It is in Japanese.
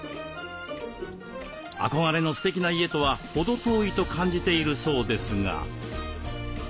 憧れのステキな家とは程遠いと感じているそうですが。